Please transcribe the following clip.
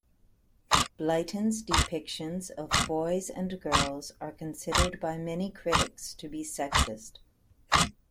Blyton's depictions of boys and girls are considered by many critics to be sexist.